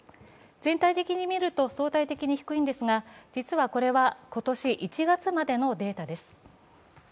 全体的に見ると相対的に低いんですが、実はこれは今年１月までのデータです。